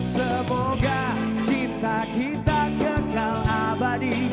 semoga cinta kita kenal abadi